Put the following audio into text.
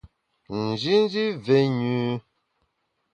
Njinji mvé nyü.